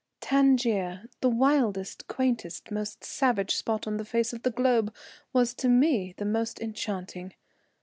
Tangier, the wildest, quaintest, most savage spot on the face of the globe, was to me the most enchanting.